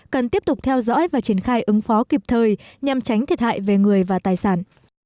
cần tiếp tục theo dõi và triển khai ứng phó kịp thời nhằm tránh thiệt hại về người và tài sản